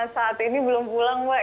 saat ini belum pulang mbak